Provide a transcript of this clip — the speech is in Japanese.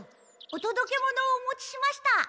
おとどけものをお持ちしました。